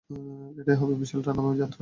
এটা হবে বিশাল, ঠান্ডাময় যাত্রা।